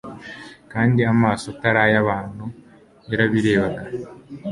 Kandi amaso atari ay'abantu yarabirebaga.